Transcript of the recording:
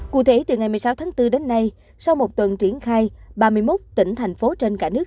cụ thể từ ngày một mươi sáu tháng bốn đến nay sau một tuần triển khai ba mươi một tỉnh thành phố trên cả nước